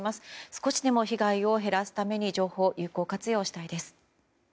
少しでも被害を減らすために情報を有効活用したいです。